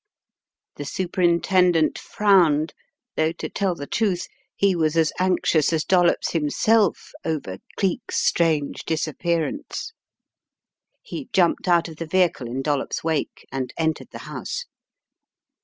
The Superintendent frowned, though to tell the truth, he was as anxious as Dollops himself over Cleek's strange disappearance. He jumped out of the vehicle in Dollops' wake and entered the house.